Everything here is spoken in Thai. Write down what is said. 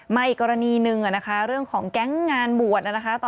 มาอีกอย่างหนึ่งเรื่องของแก๊งงานบวก